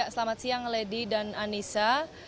selamat siang lady dan anissa